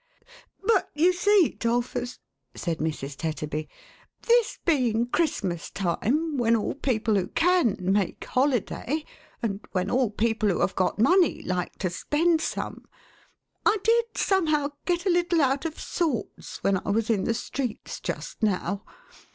" But you see, 'Dolphus," said Mrs. Tetterby, " this being Christmas time, when all people who can, make holiday, and when all people who have got money, like to spend some, I did, somehow, get a little out of sorts when I was in the streets just now.